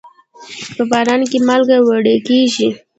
په باران کې مالګه وړي کېږي.